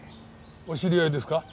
お知り合いですか？